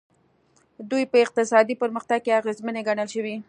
دوی په اقتصادي پرمختګ کې اغېزمنې ګڼل شوي.